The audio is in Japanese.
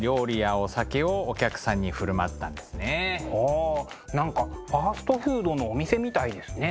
あ何かファストフードのお店みたいですね。